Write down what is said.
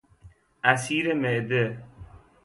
عصیر معده